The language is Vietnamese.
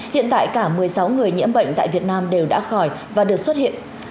hiện tại cả một mươi sáu người nhiễm bệnh tại việt nam đều đã khỏi và được xuất hiện